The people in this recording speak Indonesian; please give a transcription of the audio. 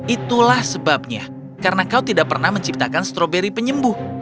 itulah sebabnya karena kau tidak pernah menciptakan stroberi penyembuh